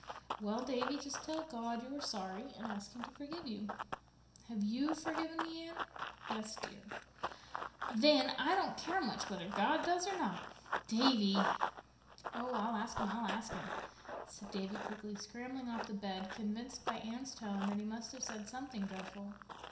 "Well, Davy, just tell God you are sorry and ask Him to forgive you." "Have you forgiven me, Anne?" "Yes, dear." "Then," said Davy joyously, "I don't care much whether God does or not." "Davy!" "Oh—I'll ask Him—I'll ask Him," said Davy quickly, scrambling off the bed, convinced by Anne's tone that he must have said something dreadful.